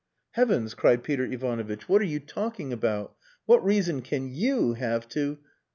"Heavens!" cried Peter Ivanovitch. "What are you talking about? What reason can you have to...?"